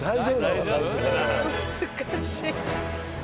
難しい。